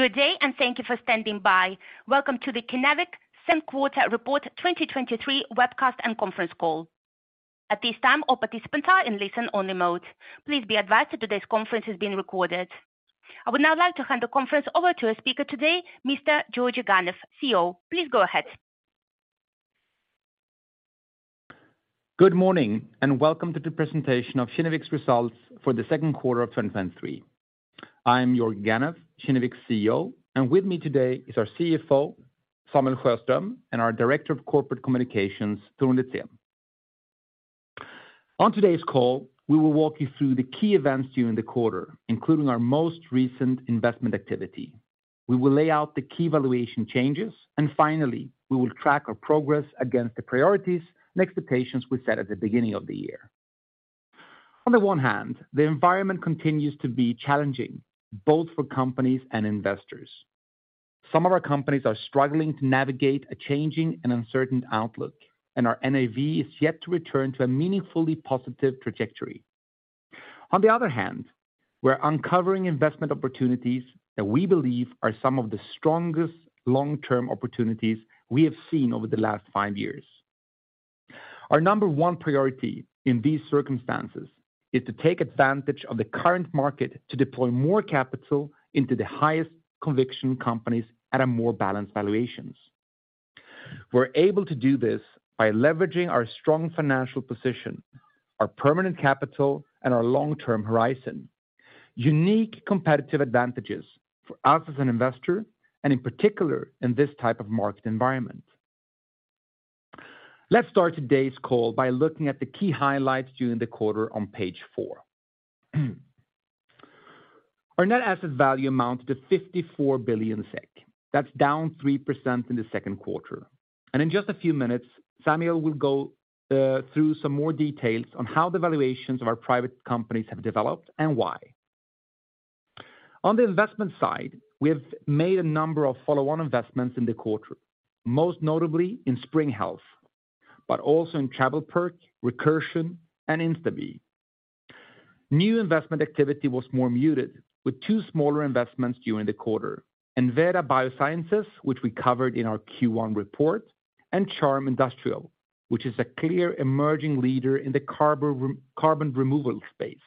Good day. Thank you for standing by. Welcome to the Kinnevik Q2 Report 2023 webcast and conference call. At this time, all participants are in listen-only mode. Please be advised that today's conference is being recorded. I would now like to hand the conference over to our speaker today, Mr. Georgi Ganev, CEO. Please go ahead. Good morning, and welcome to the presentation of Kinnevik's results for the Q2 of 2023. I'm Georgi Ganev, Kinnevik's CEO, and with me today is our CFO, Samuel Sjöström, and our Director of Corporate Communications, Torun Litzén. On today's call, we will walk you through the key events during the quarter, including our most recent investment activity. We will lay out the key valuation changes, and finally, we will track our progress against the priorities and expectations we set at the beginning of the year. On the one hand, the environment continues to be challenging, both for companies and investors. Some of our companies are struggling to navigate a changing and uncertain outlook, and our NAV is yet to return to a meaningfully positive trajectory. On the other hand, we're uncovering investment opportunities that we believe are some of the strongest long-term opportunities we have seen over the last five years. Our number one priority in these circumstances is to take advantage of the current market to deploy more capital into the highest conviction companies at a more balanced valuations. We're able to do this by leveraging our strong financial position, our permanent capital, and our long-term horizon. Unique competitive advantages for us as an investor, and in particular, in this type of market environment. Let's start today's call by looking at the key highlights during the quarter on page 4. Our net asset value amounts to 54 billion SEK. That's down 3% in the Q2. In just a few minutes, Samuel will go through some more details on how the valuations of our private companies have developed and why. On the investment side, we have made a number of follow-on investments in the quarter, most notably in Spring Health, but also in TravelPerk, Recursion, and Instabee. New investment activity was more muted, with two smaller investments during the quarter. Enveda Biosciences, which we covered in our Q1 report, and Charm Industrial, which is a clear emerging leader in the carbon removal space.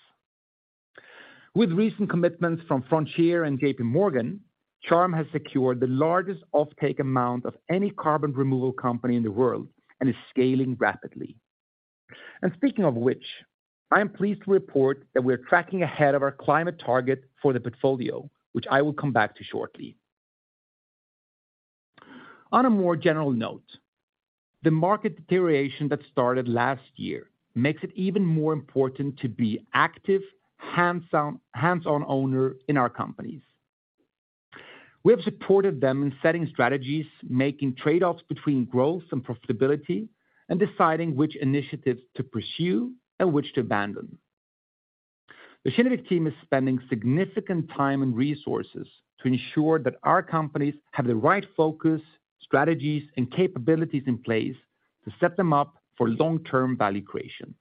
With recent commitments from Frontier and JPMorgan, Charm has secured the largest offtake amount of any carbon removal company in the world and is scaling rapidly. Speaking of which, I am pleased to report that we are tracking ahead of our climate target for the portfolio, which I will come back to shortly. On a more general note, the market deterioration that started last year makes it even more important to be active, hands-on owner in our companies. We have supported them in setting strategies, making trade-offs between growth and profitability, and deciding which initiatives to pursue and which to abandon. The Kinnevik team is spending significant time and resources to ensure that our companies have the right focus, strategies, and capabilities in place to set them up for long-term value creation.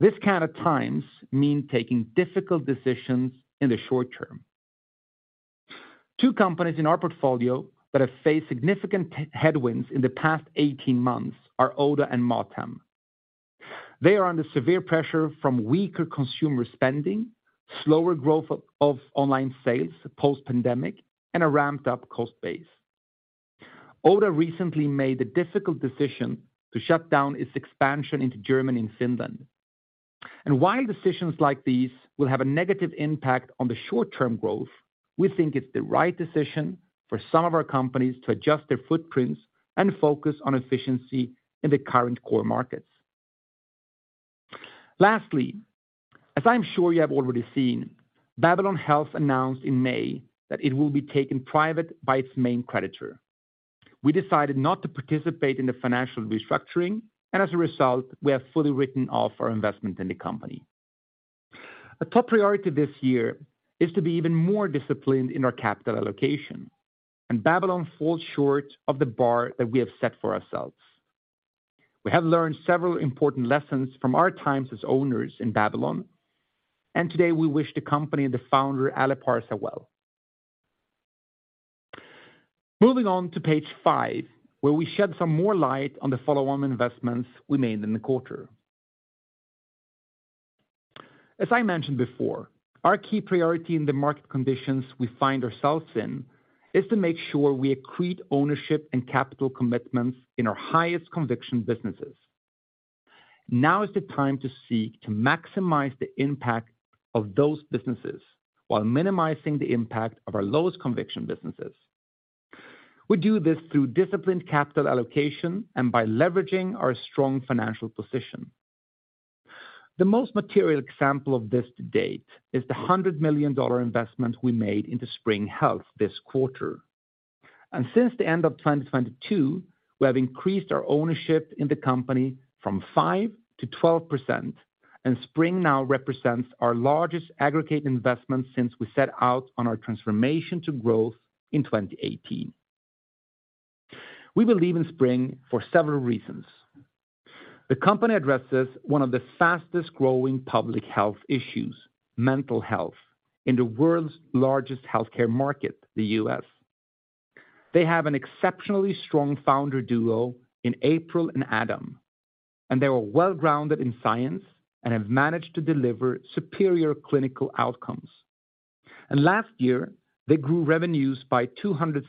This kind of times mean taking difficult decisions in the short term. Two companies in our portfolio that have faced significant headwinds in the past 18 months are Oda and Mathem. They are under severe pressure from weaker consumer spending, slower growth of online sales post-pandemic, and a ramped-up cost base. Oda recently made the difficult decision to shut down its expansion into Germany and Finland. While decisions like these will have a negative impact on the short-term growth, we think it's the right decision for some of our companies to adjust their footprints and focus on efficiency in the current core markets. Lastly, as I'm sure you have already seen, Babylon Health announced in May that it will be taken private by its main creditor. We decided not to participate in the financial restructuring, and as a result, we have fully written off our investment in the company. A top priority this year is to be even more disciplined in our capital allocation, and Babylon falls short of the bar that we have set for ourselves. We have learned several important lessons from our times as owners in Babylon, and today we wish the company and the founder, Ali Parsa, well. Moving on to page five, where we shed some more light on the follow-on investments we made in the quarter. As I mentioned before, our key priority in the market conditions we find ourselves in, is to make sure we accrete ownership and capital commitments in our highest conviction businesses. Now is the time to seek to maximize the impact of those businesses while minimizing the impact of our lowest conviction businesses. We do this through disciplined capital allocation and by leveraging our strong financial position. The most material example of this to date is the $100 million investment we made into Spring Health this quarter. Since the end of 2022, we have increased our ownership in the company from 5% to 12%, and Spring now represents our largest aggregate investment since we set out on our transformation to growth in 2018. We believe in Spring for several reasons. The company addresses one of the fastest-growing public health issues, mental health, in the world's largest healthcare market, the U.S. They have an exceptionally strong founder duo in April and Adam. They are well-grounded in science and have managed to deliver superior clinical outcomes. Last year, they grew revenues by 270%,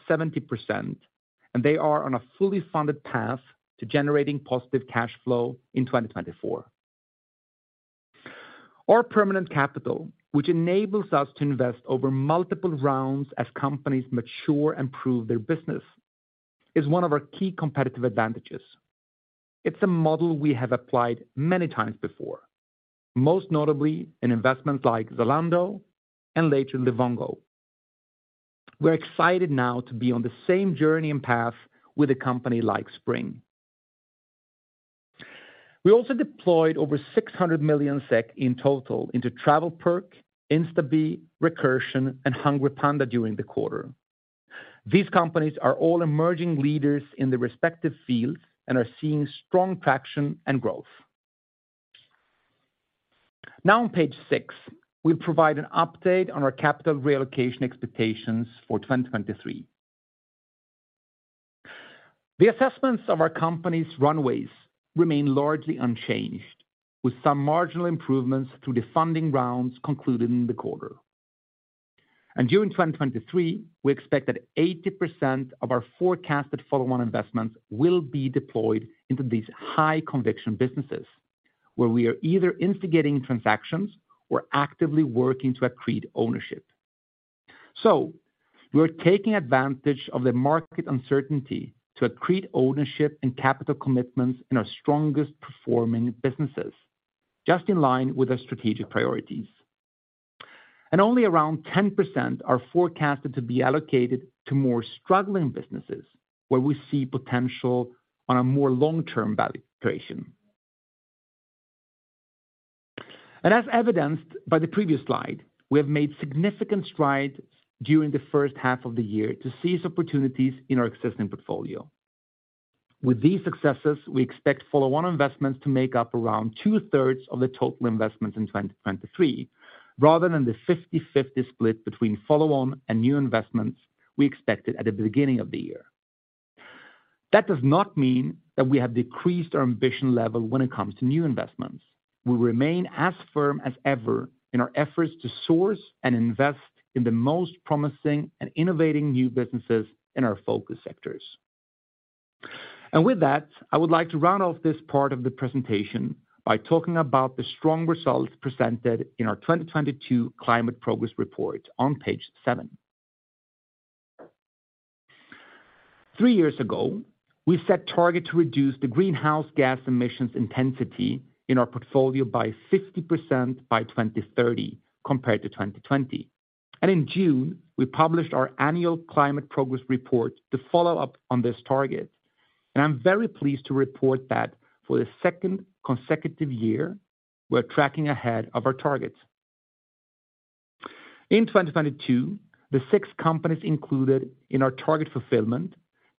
and they are on a fully funded path to generating positive cash flow in 2024. Our permanent capital, which enables us to invest over multiple rounds as companies mature and prove their business, is one of our key competitive advantages. It's a model we have applied many times before, most notably in investments like Zalando and later Livongo. We're excited now to be on the same journey and path with a company like Spring. We also deployed over 600 million SEK in total into TravelPerk, Instabee, Recursion, and HungryPanda during the quarter. These companies are all emerging leaders in their respective fields and are seeing strong traction and growth. On page six, we provide an update on our capital reallocation expectations for 2023. The assessments of our company's runways remain largely unchanged, with some marginal improvements to the funding rounds concluded in the quarter. During 2023, we expect that 80% of our forecasted follow-on investments will be deployed into these high conviction businesses, where we are either instigating transactions or actively working to accrete ownership. We are taking advantage of the market uncertainty to accrete ownership and capital commitments in our strongest performing businesses, just in line with our strategic priorities. Only around 10% are forecasted to be allocated to more struggling businesses, where we see potential on a more long-term value creation. As evidenced by the previous slide, we have made significant strides during the H1 of the year to seize opportunities in our existing portfolio. With these successes, we expect follow-on investments to make up around two-thirds of the total investments in 2023, rather than the 50/50 split between follow-on and new investments we expected at the beginning of the year. That does not mean that we have decreased our ambition level when it comes to new investments. We remain as firm as ever in our efforts to source and invest in the most promising and innovating new businesses in our focus sectors. With that, I would like to round off this part of the presentation by talking about the strong results presented in our 2022 climate progress report on page 7. 3 years ago, we set target to reduce the greenhouse gas emissions intensity in our portfolio by 50% by 2030, compared to 2020. In June, we published our annual climate progress report to follow up on this target. I'm very pleased to report that for the second consecutive year, we're tracking ahead of our targets. In 2022, the 6 companies included in our target fulfillment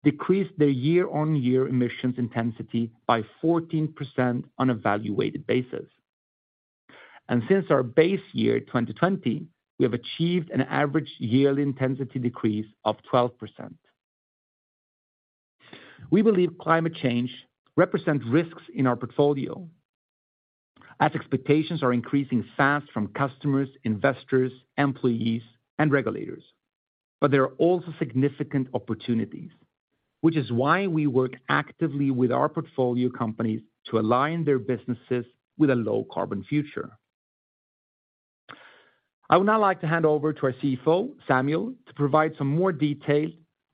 decreased their year-on-year emissions intensity by 14% on a evaluated basis. Since our base year, 2020, we have achieved an average yearly intensity decrease of 12%. We believe climate change represent risks in our portfolio, as expectations are increasing fast from customers, investors, employees, and regulators. There are also significant opportunities, which is why we work actively with our portfolio companies to align their businesses with a low carbon future. I would now like to hand over to our CFO, Samuel, to provide some more detail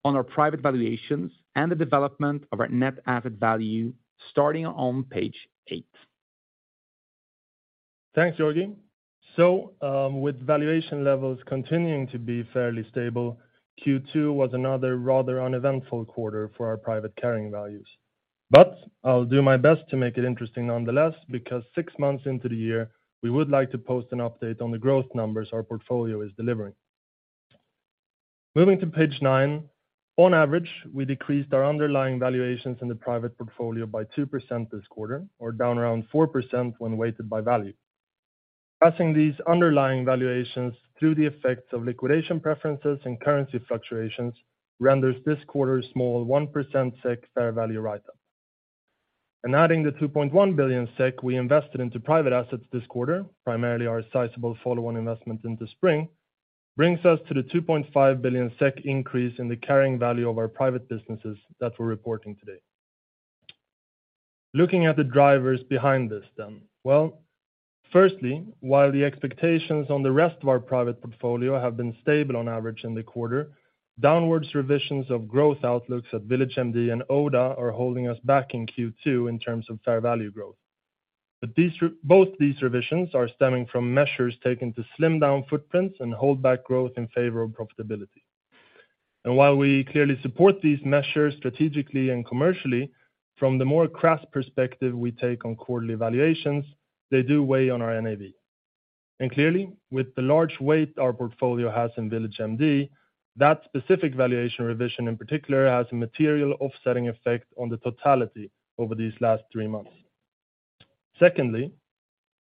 on our private valuations and the development of our net asset value, starting on page eight. Thanks, Georgi. With valuation levels continuing to be fairly stable, Q2 was another rather uneventful quarter for our private carrying values. But I'll do my best to make it interesting nonetheless, because six months into the year, we would like to post an update on the growth numbers our portfolio is delivering. Moving to page nine, on average, we decreased our underlying valuations in the private portfolio by 2% this quarter, or down around 4% when weighted by value. Passing these underlying valuations through the effects of liquidation preferences and currency fluctuations renders this quarter's small 1% SEK fair value write-up. Adding the 2.1 billion SEK we invested into private assets this quarter, primarily our sizable follow-on investment into Spring, brings us to the 2.5 billion SEK increase in the carrying value of our private businesses that we're reporting today. Looking at the drivers behind this. Firstly, while the expectations on the rest of our private portfolio have been stable on average in the quarter, downwards revisions of growth outlooks at VillageMD and Oda are holding us back in Q2 in terms of fair value growth. Both these revisions are stemming from measures taken to slim down footprints and hold back growth in favor of profitability. While we clearly support these measures strategically and commercially, from the more crass perspective we take on quarterly valuations, they do weigh on our NAV. Clearly, with the large weight our portfolio has in VillageMD, that specific valuation revision, in particular, has a material offsetting effect on the totality over these last 3 months. Secondly,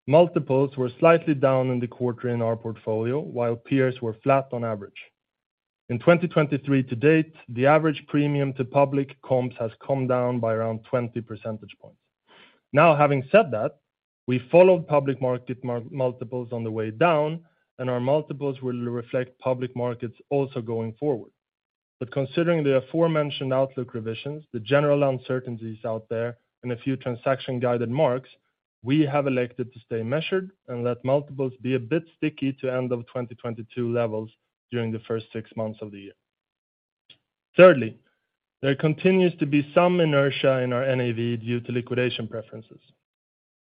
multiples were slightly down in the quarter in our portfolio, while peers were flat on average. In 2023 to date, the average premium to public comps has come down by around 20 percentage points. Having said that, we followed public market multiples on the way down, and our multiples will reflect public markets also going forward. Considering the aforementioned outlook revisions, the general uncertainties out there, and a few transaction-guided marks, we have elected to stay measured and let multiples be a bit sticky to end of 2022 levels during the first six months of the year. Thirdly, there continues to be some inertia in our NAV due to liquidation preferences.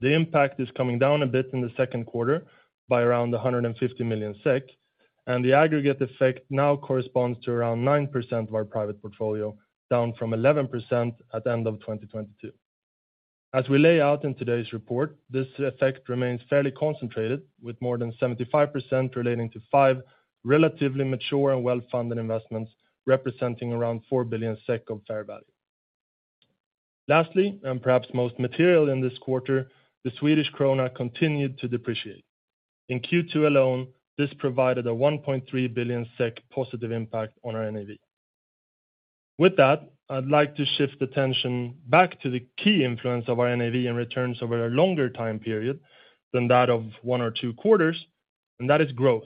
The impact is coming down a bit in the second quarter by around 150 million SEK, and the aggregate effect now corresponds to around 9% of our private portfolio, down from 11% at the end of 2022. As we lay out in today's report, this effect remains fairly concentrated, with more than 75% relating to five relatively mature and well-funded investments, representing around 4 billion SEK of fair value. Lastly, and perhaps most material in this quarter, the Swedish krona continued to depreciate. In Q2 alone, this provided a 1.3 billion SEK positive impact on our NAV. With that, I'd like to shift attention back to the key influence of our NAV and returns over a longer time period than that of one or two quarters, and that is growth.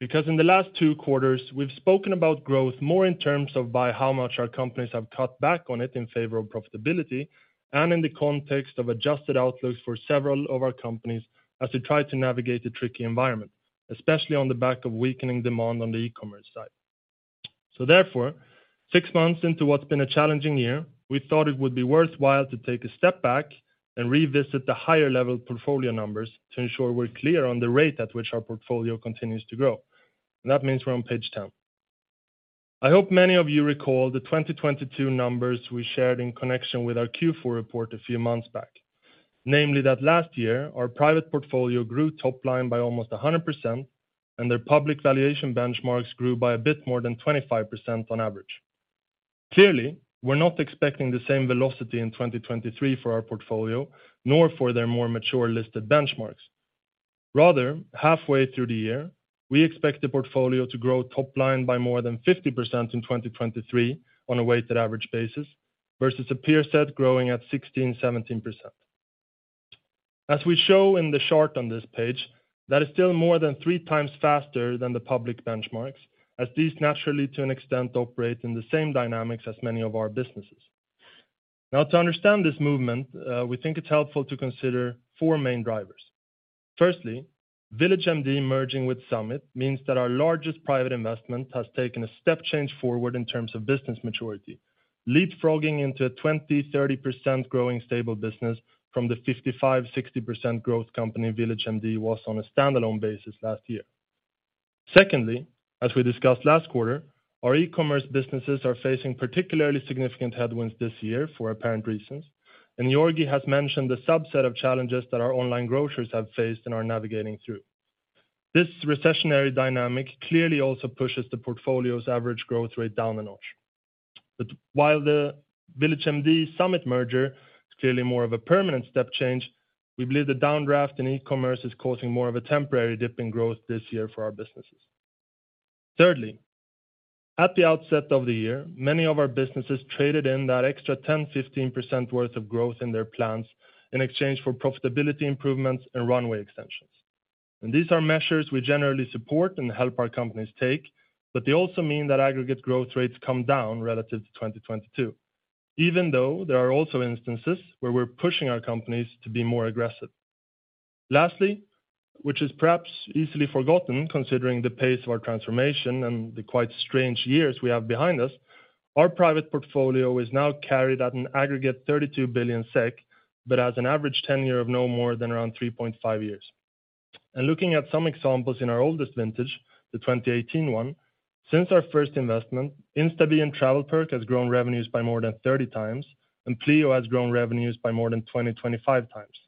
In the last two quarters, we've spoken about growth more in terms of by how much our companies have cut back on it in favor of profitability, and in the context of adjusted outlooks for several of our companies as they try to navigate the tricky environment, especially on the back of weakening demand on the e-commerce side. Therefore, six months into what's been a challenging year, we thought it would be worthwhile to take a step back and revisit the higher-level portfolio numbers to ensure we're clear on the rate at which our portfolio continues to grow. That means we're on page 10. I hope many of you recall the 2022 numbers we shared in connection with our Q4 report a few months back. Namely, that last year, our private portfolio grew top line by almost 100%. Their public valuation benchmarks grew by a bit more than 25% on average. Clearly, we're not expecting the same velocity in 2023 for our portfolio, nor for their more mature listed benchmarks. Rather, halfway through the year, we expect the portfolio to grow top line by more than 50% in 2023 on a weighted average basis versus a peer set growing at 16%, 17%. As we show in the chart on this page, that is still more than three times faster than the public benchmarks, as these naturally, to an extent, operate in the same dynamics as many of our businesses. Now, to understand this movement, we think it's helpful to consider four main drivers. Firstly, VillageMD merging with Summit means that our largest private investment has taken a step change forward in terms of business maturity, leapfrogging into a 20%-30% growing stable business from the 55%-60% growth company VillageMD was on a standalone basis last year. Secondly, as we discussed last quarter, our e-commerce businesses are facing particularly significant headwinds this year for apparent reasons, Georgi has mentioned the subset of challenges that our online grocers have faced and are navigating through. This recessionary dynamic clearly also pushes the portfolio's average growth rate down a notch. While the VillageMD Summit merger is clearly more of a permanent step change, we believe the downdraft in e-commerce is causing more of a temporary dip in growth this year for our businesses. Thirdly, at the outset of the year, many of our businesses traded in that extra 10%, 15% worth of growth in their plans in exchange for profitability improvements and runway extensions. These are measures we generally support and help our companies take, but they also mean that aggregate growth rates come down relative to 2022, even though there are also instances where we're pushing our companies to be more aggressive. Lastly, which is perhaps easily forgotten, considering the pace of our transformation and the quite strange years we have behind us, our private portfolio is now carried at an aggregate 32 billion SEK, but has an average tenure of no more than around 3.5 years. Looking at some examples in our oldest vintage, the 2018 one, since our 1st investment, Instabee and TravelPerk has grown revenues by more than 30 times, and Pleo has grown revenues by more than 20-25 times.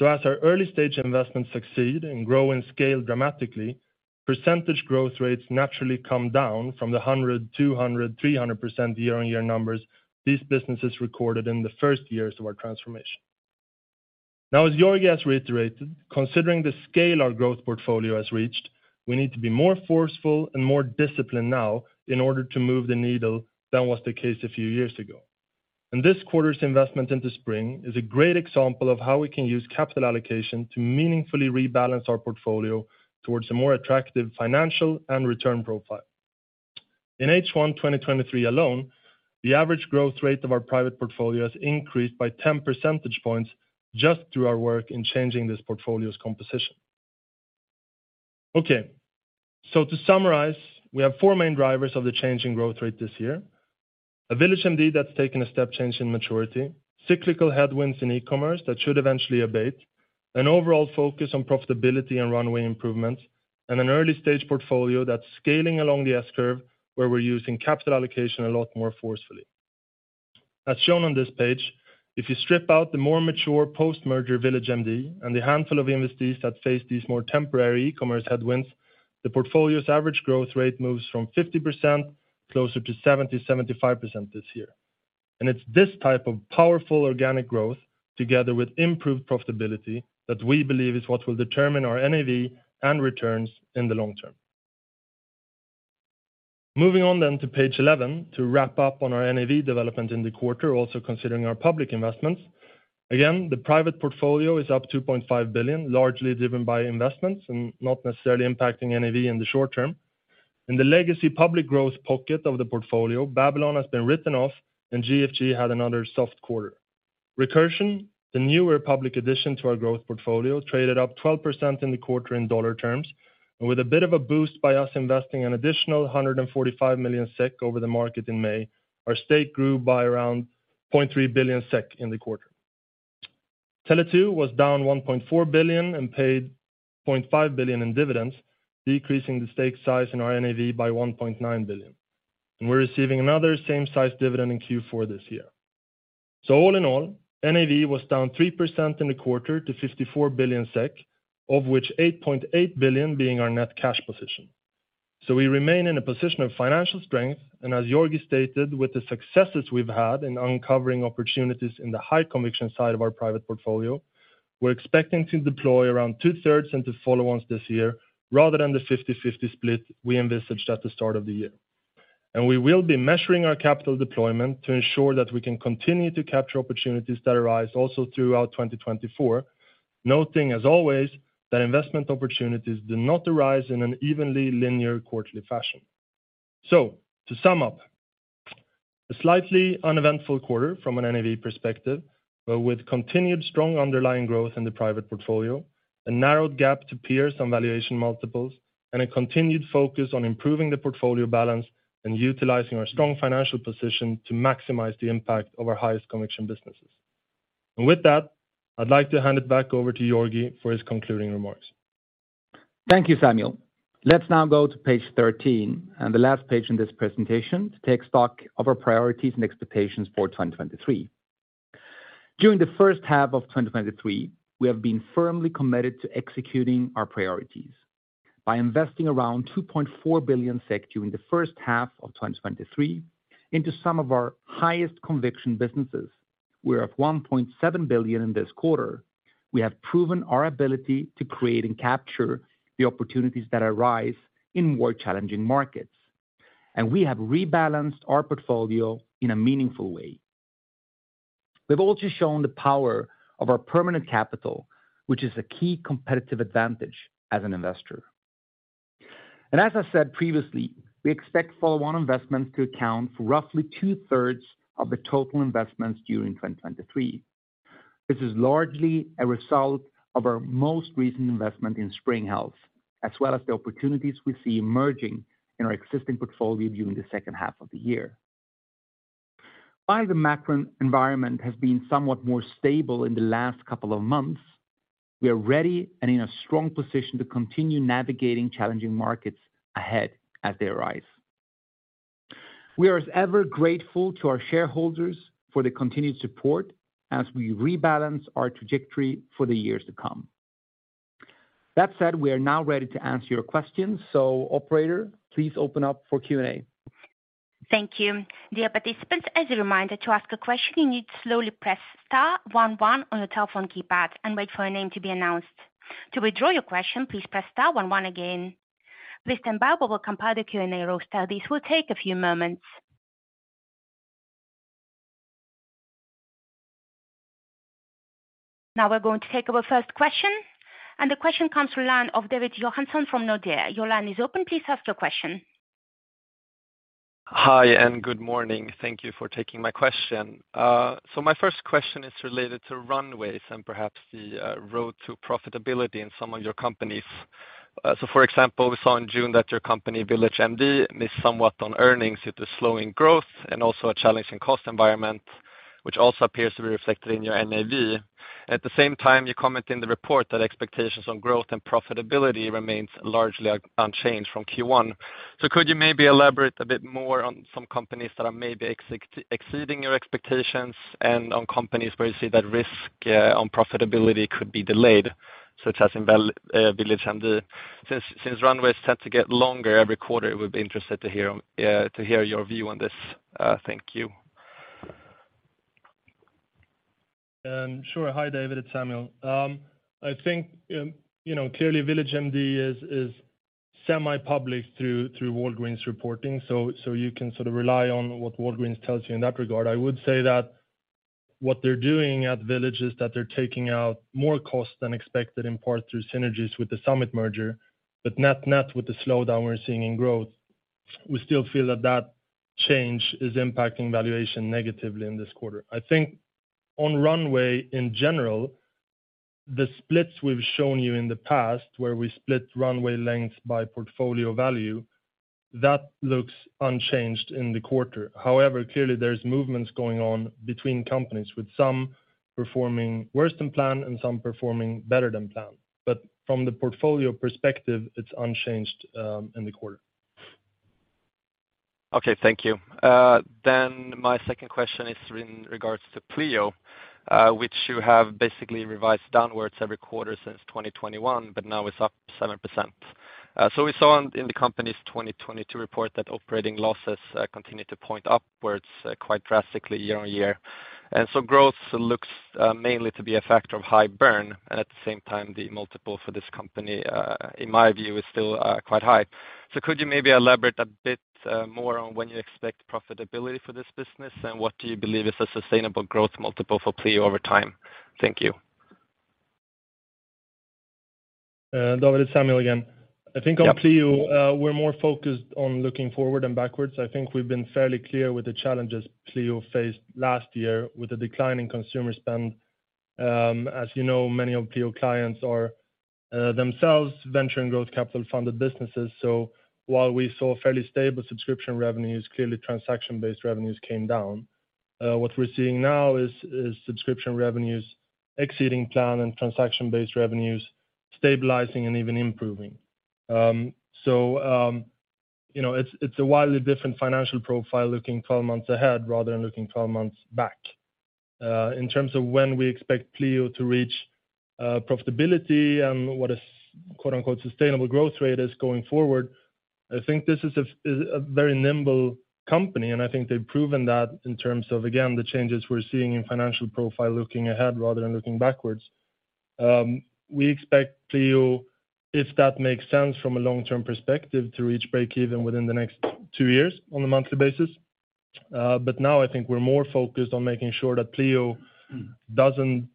As our early-stage investments succeed and grow and scale dramatically, percentage growth rates naturally come down from the 100%, 200%, 300% year-on-year numbers these businesses recorded in the 1st years of our transformation. As Jorgi has reiterated, considering the scale our growth portfolio has reached, we need to be more forceful and more disciplined now in order to move the needle than was the case a few years ago. This quarter's investment into Spring Health is a great example of how we can use capital allocation to meaningfully rebalance our portfolio towards a more attractive financial and return profile. In H1 2023 alone, the average growth rate of our private portfolio has increased by 10 percentage points just through our work in changing this portfolio's composition. To summarize, we have four main drivers of the change in growth rate this year: a VillageMD that's taken a step change in maturity, cyclical headwinds in e-commerce that should eventually abate, an overall focus on profitability and runway improvements, and an early-stage portfolio that's scaling along the S-curve, where we're using capital allocation a lot more forcefully. As shown on this page, if you strip out the more mature post-merger VillageMD and the handful of investees that face these more temporary e-commerce headwinds, the portfolio's average growth rate moves from 50% closer to 70%-75% this year. It's this type of powerful organic growth, together with improved profitability, that we believe is what will determine our NAV and returns in the long term. Moving on to page 11, to wrap up on our NAV development in the quarter, also considering our public investments. Again, the private portfolio is up 2.5 billion, largely driven by investments and not necessarily impacting NAV in the short term. In the legacy public growth pocket of the portfolio, Babylon has been written off and GFG had another soft quarter. Recursion, the newer public addition to our growth portfolio, traded up 12% in the quarter in USD terms, and with a bit of a boost by us investing an additional 145 million SEK over the market in May, our stake grew by around 0.3 billion SEK in the quarter. Tele2 was down 1.4 billion and paid 0.5 billion in dividends, decreasing the stake size in our NAV by 1.9 billion. We're receiving another same size dividend in Q4 this year. All in all, NAV was down 3% in the quarter to 54 billion SEK, of which 8.8 billion being our net cash position. We remain in a position of financial strength, and as Georgi stated, with the successes we've had in uncovering opportunities in the high conviction side of our private portfolio, we're expecting to deploy around two-thirds into follow-ons this year, rather than the 50/50 split we envisaged at the start of the year. We will be measuring our capital deployment to ensure that we can continue to capture opportunities that arise also throughout 2024, noting, as always, that investment opportunities do not arise in an evenly linear quarterly fashion. To sum up, a slightly uneventful quarter from an NAV perspective, but with continued strong underlying growth in the private portfolio, a narrowed gap to peers on valuation multiples, and a continued focus on improving the portfolio balance and utilizing our strong financial position to maximize the impact of our highest conviction businesses. With that, I'd like to hand it back over to Georgi for his concluding remarks. Thank you, Samuel. Let's now go to page 13, the last page in this presentation, to take stock of our priorities and expectations for 2023. During the first half of 2023, we have been firmly committed to executing our priorities by investing around 2.4 billion SEK during the first half of 2023 into some of our highest conviction businesses, whereof 1.7 billion in this quarter, we have proven our ability to create and capture the opportunities that arise in more challenging markets, we have rebalanced our portfolio in a meaningful way. We've also shown the power of our permanent capital, which is a key competitive advantage as an investor. As I said previously, we expect follow-on investments to account for roughly two-thirds of the total investments during 2023. This is largely a result of our most recent investment in Spring Health, as well as the opportunities we see emerging in our existing portfolio during the second half of the year. While the macro environment has been somewhat more stable in the last couple of months, we are ready and in a strong position to continue navigating challenging markets ahead as they arise. We are as ever grateful to our shareholders for the continued support as we rebalance our trajectory for the years to come. That said, we are now ready to answer your questions, so operator, please open up for Q&A. Thank you. Dear participants, as a reminder, to ask a question, you need to slowly press star 11 on your telephone keypad and wait for your name to be announced. To withdraw your question, please press star 11 again. Please stand by while we compile the Q&A roster. This will take a few moments. Now we're going to take our first question, and the question comes from the line of David Johansson from Nordea. Your line is open. Please ask your question. Hi, and good morning. Thank you for taking my question. My first question is related to runways and perhaps the road to profitability in some of your companies. For example, we saw in June that your company, VillageMD, missed somewhat on earnings due to slowing growth and also a challenging cost environment, which also appears to be reflected in your NAV. At the same time, you comment in the report that expectations on growth and profitability remains largely unchanged from Q1. Could you maybe elaborate a bit more on some companies that are maybe exceeding your expectations and on companies where you see that risk on profitability could be delayed, such as in VillageMD? Since runways tend to get longer every quarter, we'd be interested to hear your view on this. Thank you. Hi, David, it's Samuel. I think, you know, clearly VillageMD is semi-public through Walgreens reporting, so you can sort of rely on what Walgreens tells you in that regard. I would say that what they're doing at VillageMD is that they're taking out more costs than expected, in part through synergies with the Summit, but net with the slowdown we're seeing in growth, we still feel that that change is impacting valuation negatively in this quarter. I think on runway, in general, the splits we've shown you in the past, where we split runway lengths by portfolio value, that looks unchanged in the quarter. However, clearly there's movements going on between companies, with some performing worse than planned and some performing better than planned. From the portfolio perspective, it's unchanged in the quarter. Okay, thank you. My second question is in regards to Pleo, which you have basically revised downwards every quarter since 2021, but now it's up 7%. We saw in the company's 2022 report that operating losses continued to point upwards, quite drastically year-over-year. Growth looks mainly to be a factor of high burn, and at the same time, the multiple for this company, in my view, is still quite high. Could you maybe elaborate a bit more on when you expect profitability for this business? What do you believe is a sustainable growth multiple for Pleo over time? Thank you. David, it's Samuel again. I think on Pleo, we're more focused on looking forward than backwards. I think we've been fairly clear with the challenges Pleo faced last year with a decline in consumer spend. As you know, many of Pleo clients are themselves venture and growth capital-funded businesses. While we saw fairly stable subscription revenues, clearly transaction-based revenues came down. What we're seeing now is subscription revenues exceeding plan and transaction-based revenues, stabilizing and even improving. You know, it's a wildly different financial profile looking 12 months ahead, rather than looking 12 months back. In terms of when we expect Pleo to reach, profitability and what is quote, unquote, "sustainable growth rate" is going forward, I think this is a very nimble company, and I think they've proven that in terms of, again, the changes we're seeing in financial profile looking ahead rather than looking backwards. We expect Pleo, if that makes sense from a long-term perspective, to reach break even within the next two years on a monthly basis. Now I think we're more focused on making sure that Pleo doesn't,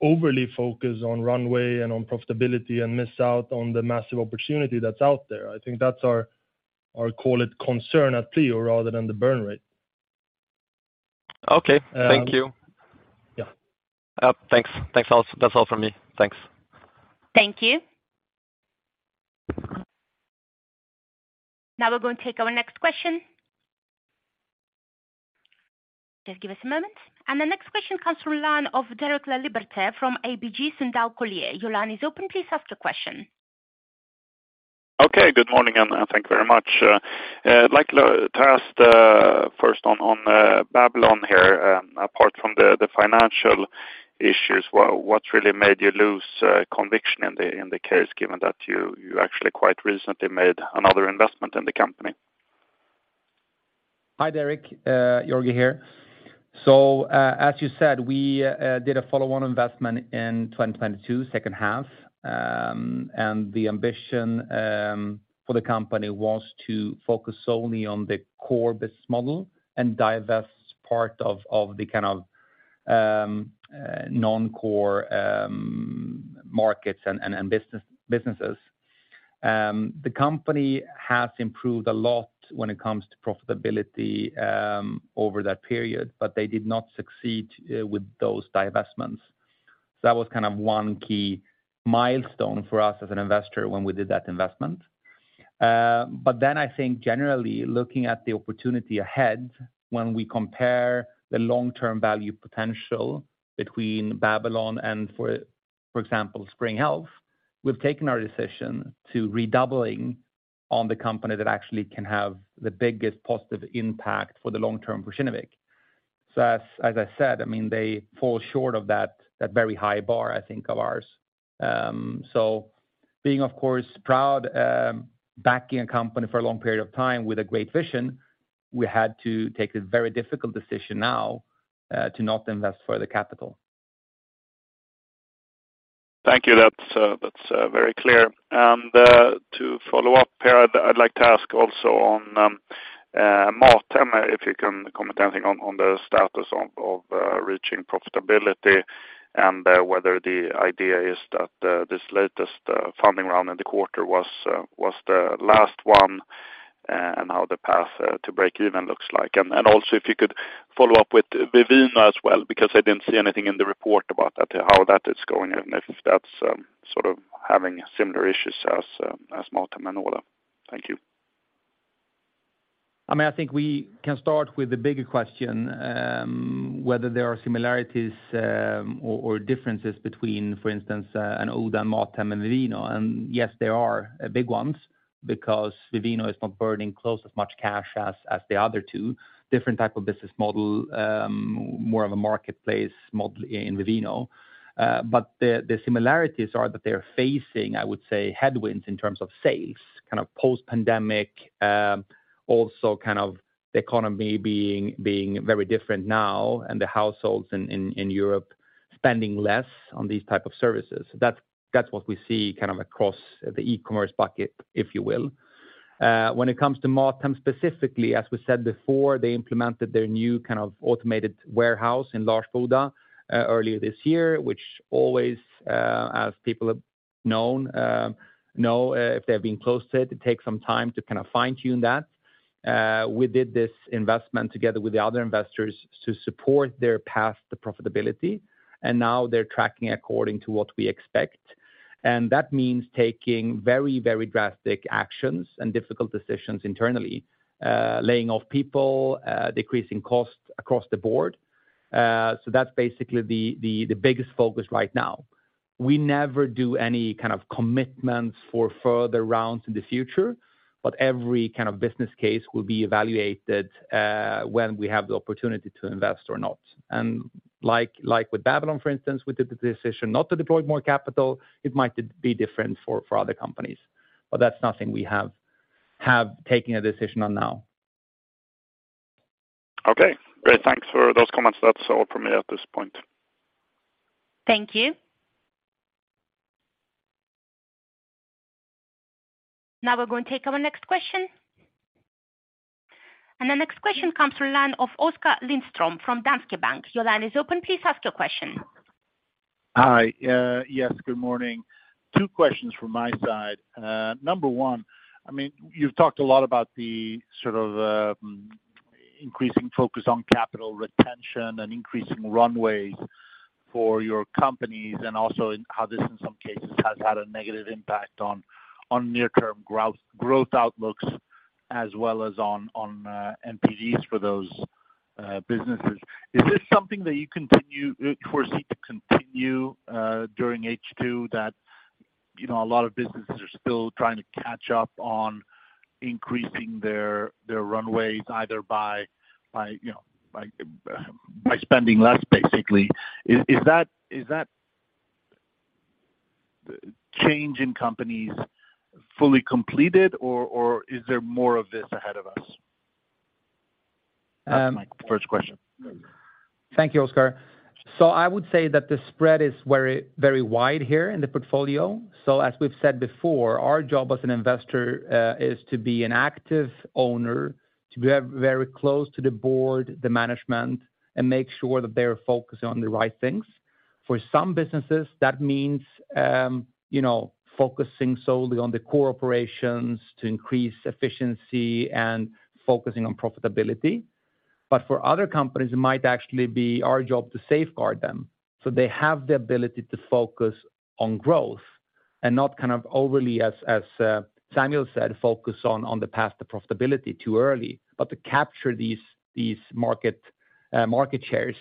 overly focus on runway and on profitability and miss out on the massive opportunity that's out there. I think that's our call it concern at Pleo rather than the burn rate. Okay, thank you. Yeah. Thanks, also, that's all from me. Thanks. Thank you. Now we're going to take our next question. Just give us a moment. The next question comes from Joan of Derek Laliberté, from ABG Sundal Collier. Joan, is open. Please ask your question. Okay, good morning, and thank you very much. I'd like to ask first on Babylon here. Apart from the financial issues, what really made you lose conviction in the case, given that you actually quite recently made another investment in the company? Hi, Derek, Georgi here. As you said, we did a follow-on investment in 2022,H2. The ambition for the company was to focus solely on the core business model and divest part of the kind of non-core markets and businesses. The company has improved a lot when it comes to profitability over that period, they did not succeed with those divestments. That was kind of one key milestone for us as an investor when we did that investment. I think generally, looking at the opportunity ahead, when we compare the long-term value potential between Babylon and for example, Spring Health, we've taken our decision to redoubling on the company that actually can have the biggest positive impact for the long term for Kinnevik. As I said, I mean, they fall short of that very high bar, I think, of ours. Being, of course, proud, backing a company for a long period of time with a great vision, we had to take the very difficult decision now to not invest further capital. Thank you. That's very clear. To follow up here, I'd like to ask also on Mathem, if you can comment anything on the status of reaching profitability, whether the idea is that this latest funding round in the quarter was the last one, and how the path to break even looks like. Also, if you could follow up with Vivino as well, because I didn't see anything in the report about that, how that is going, and if that's sort of having similar issues as Mathem and Oda. Thank you. I mean, I think we can start with the bigger question, whether there are similarities, or differences between, for instance, an Oda, Mathem, and Vivino. Yes, there are big ones because Vivino is not burning close as much cash as the other two. Different type of business model, more of a marketplace model in Vivino. But the similarities are that they're facing, I would say, headwinds in terms of sales, kind of post-pandemic, also kind of the economy being very different now, and the households in Europe spending less on these type of services. That's what we see kind of across the e-commerce bucket, if you will. When it comes to Mathem specifically, as we said before, they implemented their new kind of automated warehouse in Larsboda earlier this year, which always, as people have known, know, if they're being close to it takes some time to kind of fine-tune that. We did this investment together with the other investors to support their path to profitability, and now they're tracking according to what we expect. That means taking very, very drastic actions and difficult decisions internally, laying off people, decreasing costs across the board. That's basically the biggest focus right now. We never do any kind of commitments for further rounds in the future, but every kind of business case will be evaluated when we have the opportunity to invest or not. like with Babylon, for instance, we did the decision not to deploy more capital. It might be different for other companies, but that's nothing we have taken a decision on now. Okay, great. Thanks for those comments. That's all from me at this point. Thank you. Now we're going to take our next question. The next question comes from the line of Oskar Lindström from Danske Bank. Your line is open. Please ask your question. Hi. Yes, good morning. Two questions from my side. number 1, I mean, you've talked a lot about the sort of increasing focus on capital retention and increasing runways for your companies, and also in how this, in some cases, has had a negative impact on near-term growth outlooks as well as on NPGs for those businesses. Is this something that you continue foresee to continue during H2, that, you know, a lot of businesses are still trying to catch up on increasing their runways, either by, you know, by spending less, basically? Is that change in companies fully completed, or is there more of this ahead of us? That's my first question. Thank you, Oskar. I would say that the spread is very, very wide here in the portfolio. As we've said before, our job as an investor, is to be an active owner, to be very close to the board, the management, and make sure that they are focused on the right things. For some businesses, that means, you know, focusing solely on the core operations to increase efficiency and focusing on profitability. For other companies, it might actually be our job to safeguard them, so they have the ability to focus on growth and not kind of overly as Samuel said, focus on the path to profitability too early, but to capture these market shares.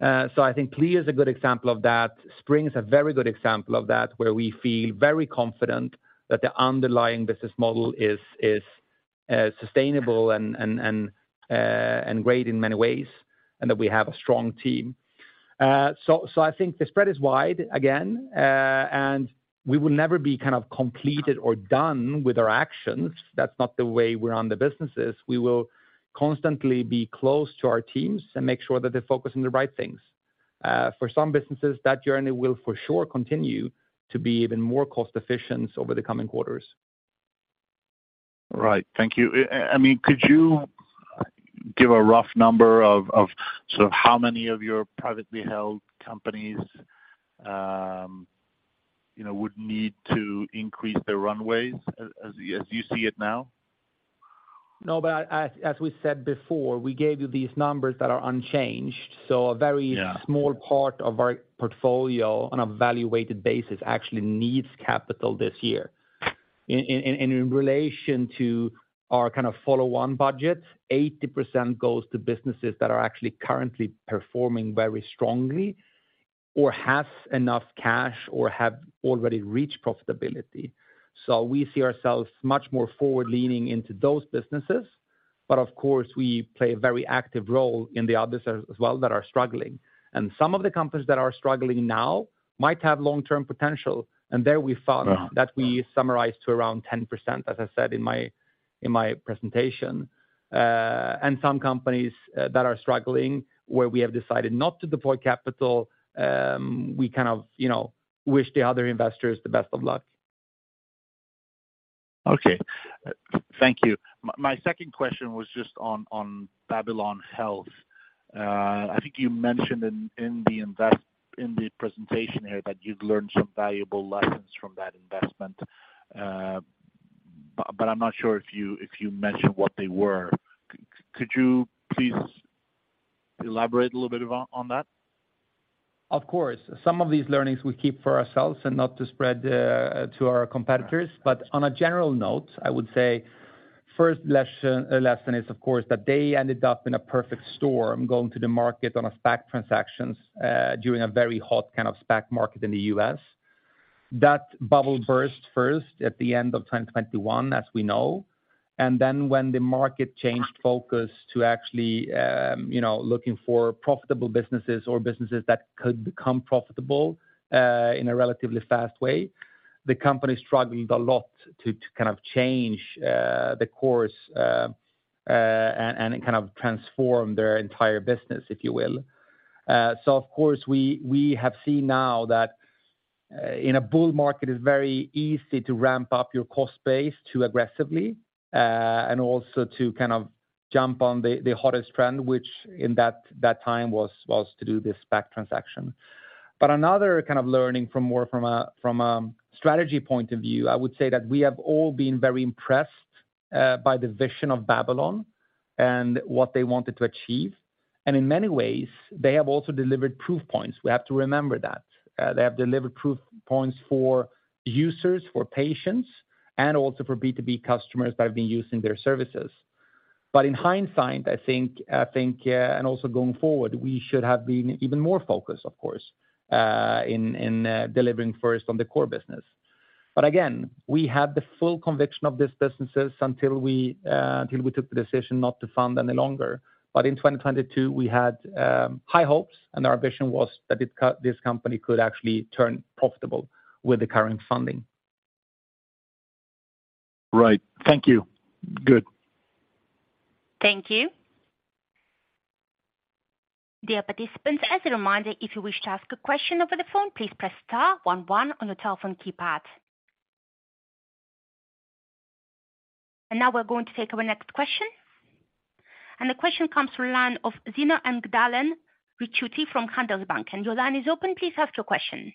I think Pleo is a good example of that. Spring is a very good example of that, where we feel very confident that the underlying business model is sustainable and great in many ways, and that we have a strong team. I think the spread is wide again, we will never be kind of completed or done with our actions. That's not the way we run the businesses. We will constantly be close to our teams and make sure that they're focusing on the right things. For some businesses, that journey will for sure continue to be even more cost efficient over the coming quarters. Right. Thank you. I mean, could you give a rough number of sort of how many of your privately held companies, you know, would need to increase their runways as you see it now? No, as we said before, we gave you these numbers that are unchanged. Yeah. A very small part of our portfolio, on a valuated basis, actually needs capital this year. In relation to our kind of follow-on budgets, 80% goes to businesses that are actually currently performing very strongly or have enough cash or have already reached profitability. We see ourselves much more forward-leaning into those businesses. Of course, we play a very active role in the others as well that are struggling. Some of the companies that are struggling now might have long-term potential, and there we found. Yeah. that we summarized to around 10%, as I said in my presentation. Some companies, that are struggling, where we have decided not to deploy capital, we kind of, you know, wish the other investors the best of luck. Okay. Thank you. My second question was just on Babylon Health. I think you mentioned in the presentation here, that you'd learned some valuable lessons from that investment, but I'm not sure if you mentioned what they were. Could you please elaborate a little bit on that? Of course. Some of these learnings we keep for ourselves and not to spread to our competitors. On a general note, I would say first lesson is, of course, that they ended up in a perfect storm, going to the market on a SPAC transactions during a very hot kind of SPAC market in the US. That bubble burst first at the end of 2021, as we know, and then when the market changed focus to actually, you know, looking for profitable businesses or businesses that could become profitable in a relatively fast way, the company struggled a lot to kind of change the course and kind of transform their entire business, if you will. Of course, we have seen now that in a bull market, it's very easy to ramp up your cost base too aggressively, and also to kind of jump on the hottest trend, which in that time was to do this SPAC transaction. Another kind of learning from more from a strategy point of view, I would say that we have all been very impressed by the vision of Babylon and what they wanted to achieve. In many ways, they have also delivered proof points. We have to remember that. They have delivered proof points for users, for patients, and also for B2B customers that have been using their services. In hindsight, I think, and also going forward, we should have been even more focused, of course, in delivering first on the core business. Again, we had the full conviction of these businesses until we took the decision not to fund any longer. In 2022, we had high hopes, and our vision was that this company could actually turn profitable with the current funding. Right. Thank you. Good. Thank you. Dear participants, as a reminder, if you wish to ask a question over the phone, please press star 11 on your telephone keypad. Now we're going to take our next question. The question comes from the line of Zina and Galen Ricchiuti from Handelsbanken. Your line is open. Please ask your question.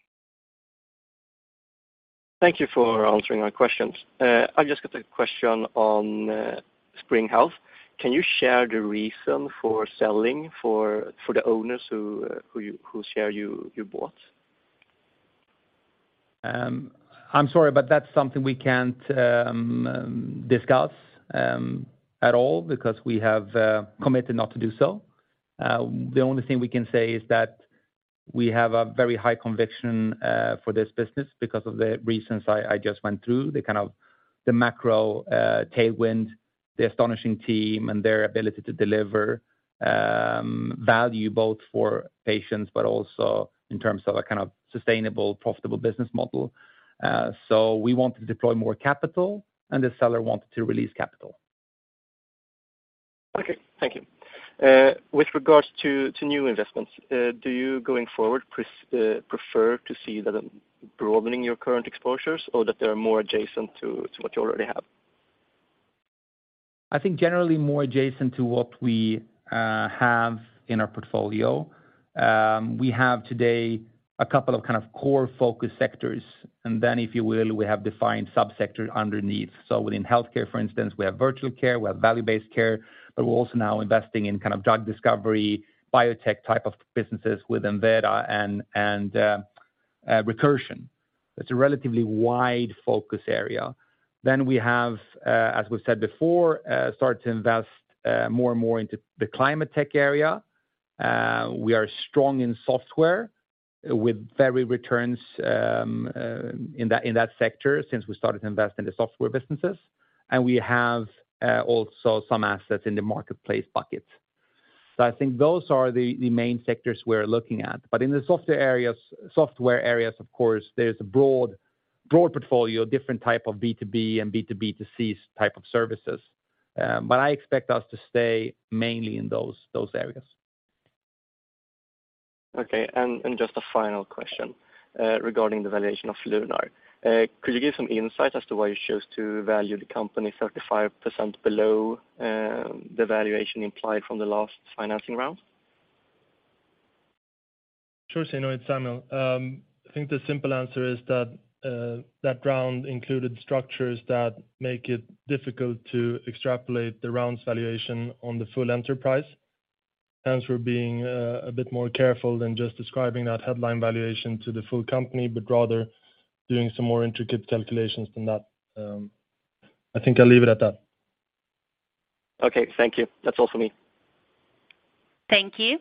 Thank you for answering my questions. I've just got a question on Spring Health. Can you share the reason for selling for the owners whose share you bought? I'm sorry, but that's something we can't discuss at all, because we have committed not to do so. The only thing we can say is that we have a very high conviction for this business because of the reasons I just went through. The kind of the macro tailwind, the astonishing team, and their ability to deliver value both for patients but also in terms of a kind of sustainable, profitable business model. We want to deploy more capital, and the seller wanted to release capital. Okay, thank you. With regards to new investments, do you, going forward, prefer to see that broadening your current exposures or that they are more adjacent to what you already have? I think generally more adjacent to what we have in our portfolio. We have today a couple of kind of core focus sectors, then, if you will, we have defined subsector underneath. Within healthcare, for instance, we have virtual care, we have value-based care, but we're also now investing in kind of drug discovery, biotech type of businesses with Invita and Recursion. It's a relatively wide focus area. We have, as we've said before, start to invest more and more into the climate tech area. We are strong in software with very returns in that sector since we started to invest in the software businesses. We have also some assets in the marketplace bucket. I think those are the main sectors we're looking at. In the software areas, of course, there's a broad portfolio, different type of B2B and B2B to C type of services. I expect us to stay mainly in those areas. Okay. Just a final question, regarding the valuation of Lunar. Could you give some insight as to why you chose to value the company 35% below the valuation implied from the last financing round? Sure thing. No, it's Samuel. I think the simple answer is that that round included structures that make it difficult to extrapolate the round's valuation on the full enterprise. Hence, we're being a bit more careful than just describing that headline valuation to the full company, but rather doing some more intricate calculations than that. I think I'll leave it at that. Okay, thank you. That's all for me. Thank you.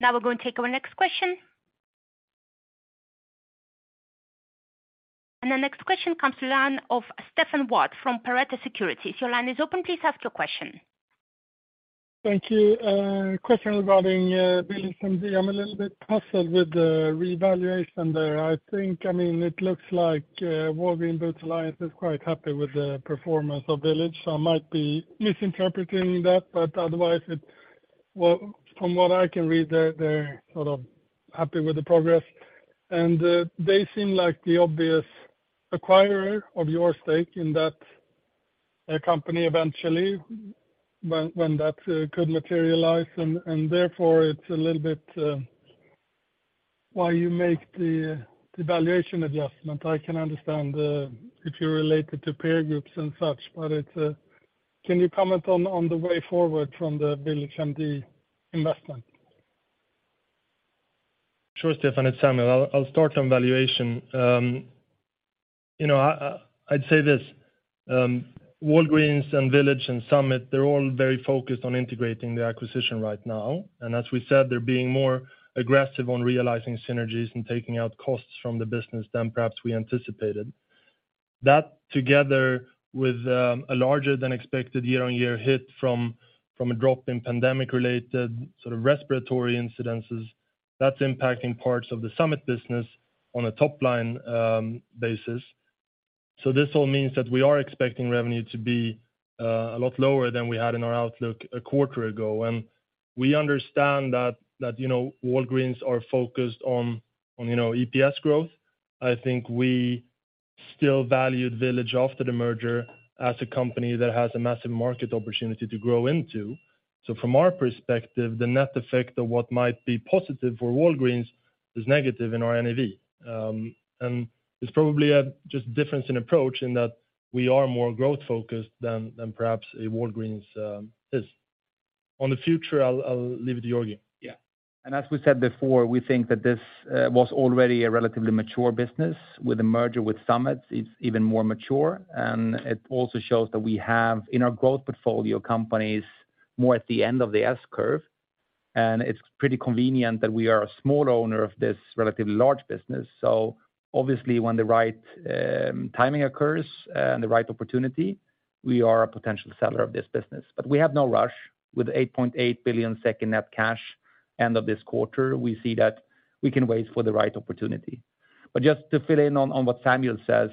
Now we're going to take our next question. The next question comes to line of Stefan Wård from Pareto Securities. Your line is open, please ask your question. Thank you. Question regarding VillageMD. I'm a little bit puzzled with the revaluation there. I think, I mean, it looks like Walgreens Boots Alliance is quite happy with the performance of Village. I might be misinterpreting that, but otherwise, it... Well, from what I can read, they're sort of happy with the progress, and they seem like the obvious acquirer of your stake in that company eventually, when that could materialize. Therefore, it's a little bit why you make the valuation adjustment. I can understand if you relate it to peer groups and such, but it's... Can you comment on the way forward from the VillageMD investment? Sure, Stefan, it's Samuel. I'll start on valuation. I'd say this, Walgreens and Village and Summit, they're all very focused on integrating the acquisition right now. As we said, they're being more aggressive on realizing synergies and taking out costs from the business than perhaps we anticipated. That, together with a larger than expected year-on-year hit from a drop in pandemic-related sort of respiratory incidences, that's impacting parts of the Summit business on a top-line basis. This all means that we are expecting revenue to be a lot lower than we had in our outlook a quarter ago. We understand that, you know, Walgreens are focused on, you know, EPS growth. I think we still valued Village after the merger as a company that has a massive market opportunity to grow into. From our perspective, the net effect of what might be positive for Walgreens is negative in our NAV. It's probably a just difference in approach in that we are more growth focused than perhaps a Walgreens is. On the future, I'll leave it to Georgi. As we said before, we think that this was already a relatively mature business. With the merger with Summit Health, it's even more mature, and it also shows that we have, in our growth portfolio, companies more at the end of the S-curve. It's pretty convenient that we are a small owner of this relatively large business. Obviously, when the right timing occurs, and the right opportunity, we are a potential seller of this business. We have no rush. With 8.8 billion SEK in net cash end of this quarter, we see that we can wait for the right opportunity. Just to fill in on what Samuel says,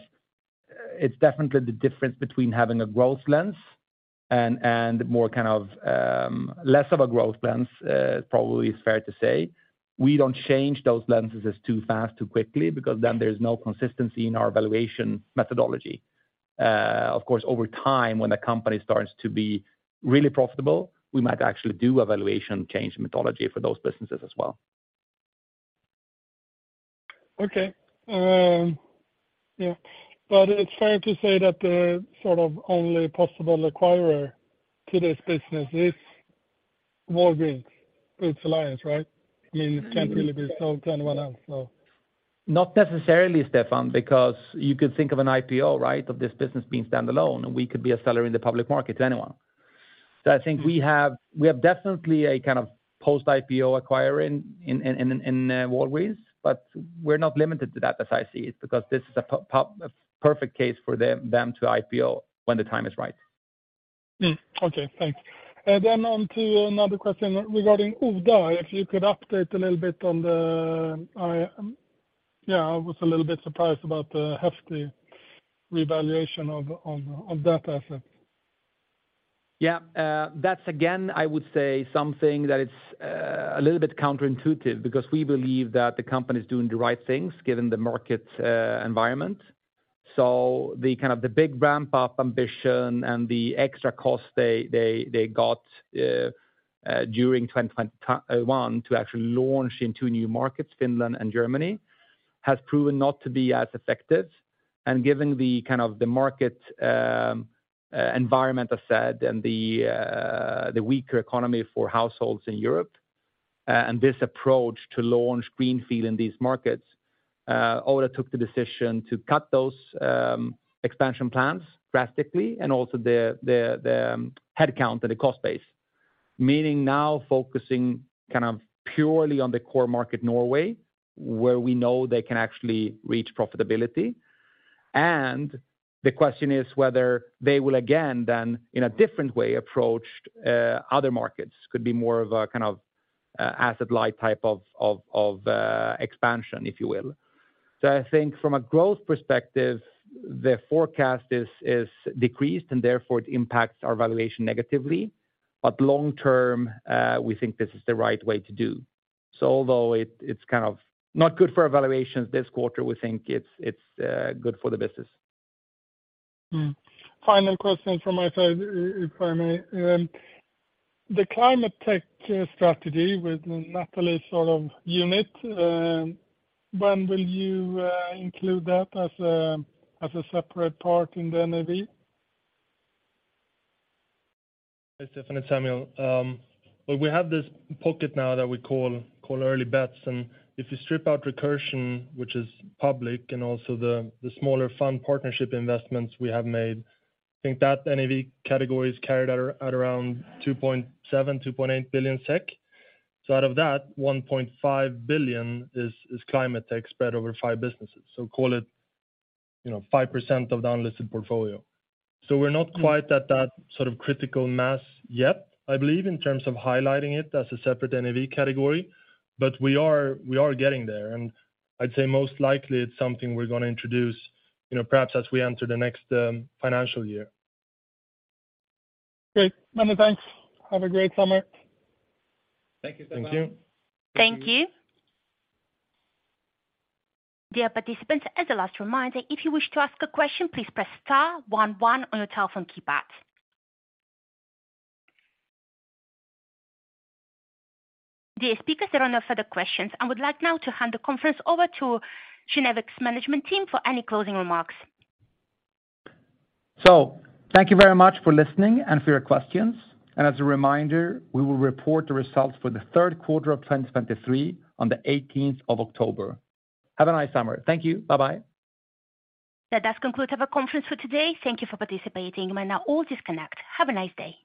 it's definitely the difference between having a growth lens and more kind of less of a growth lens, probably fair to say. We don't change those lenses as too fast, too quickly, because then there's no consistency in our valuation methodology. Of course, over time, when the company starts to be really profitable, we might actually do a valuation change methodology for those businesses as well. Okay, yeah. It's fair to say that the sort of only possible acquirer to this business is Walgreens Boots Alliance, right? I mean, it can't really be sold to anyone else, so. Not necessarily, Stefan, because you could think of an IPO, right? Of this business being standalone, and we could be a seller in the public market to anyone. I think we have definitely a kind of post-IPO acquirer in Walgreens, but we're not limited to that, as I see it, because this is a perfect case for them to IPO when the time is right. Okay, thanks. On to another question regarding Oda. If you could update a little bit on the... Yeah, I was a little bit surprised about the hefty revaluation on that asset. Yeah. That's again, I would say something that it's a little bit counterintuitive, because we believe that the company is doing the right things, given the market environment. The kind of the big ramp-up ambition and the extra cost they got during 2021 to actually launch into new markets, Finland and Germany, has proven not to be as effective. Given the kind of the market environment, I said, and the weaker economy for households in Europe, and this approach to launch greenfield in these markets, Oda took the decision to cut those expansion plans drastically, and also the headcount and the cost base. Meaning now focusing kind of purely on the core market, Norway, where we know they can actually reach profitability. The question is whether they will again, then, in a different way, approach other markets. Could be more of a kind of asset-light type of expansion, if you will. I think from a growth perspective, the forecast is decreased, and therefore it impacts our valuation negatively. Long term, we think this is the right way to do. Although it's kind of not good for our valuations this quarter, we think it's good for the business. Final question from my side, if I may. The climate tech strategy with Natalie's sort of unit, when will you include that as a separate part in the NAV? Hi, Stefan, it's Samuel. Well, we have this pocket now that we call early bets, if you strip out Recursion, which is public, and also the smaller fund partnership investments we have made, I think that NAV category is carried at around 2.7 billion-2.8 billion SEK. Out of that, 1.5 billion SEK is climate tech spread over five businesses. Call it, you know, 5% of the unlisted portfolio. We're not quite at that sort of critical mass yet, I believe, in terms of highlighting it as a separate NAV category, we are getting there, I'd say most likely it's something we're gonna introduce, you know, perhaps as we enter the next financial year. Great. Many thanks. Have a great summer. Thank you, Stefan. Thank you. Thank you. Dear participants, as a last reminder, if you wish to ask a question, please press star one one on your telephone keypad. Dear speakers, there are no further questions. I would like now to hand the conference over to Kinnevik's management team for any closing remarks. Thank you very much for listening and for your questions. As a reminder, we will report the results for the third quarter of 2023 on the 18th of October. Have a nice summer. Thank you. Bye-bye. That does conclude our conference for today. Thank you for participating. You may now all disconnect. Have a nice day.